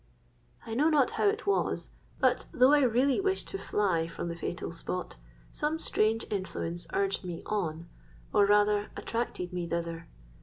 "I know not how it was—but, though I really wished to fly from the fatal spot, some strange influence urged me on, or rather attracted me thither.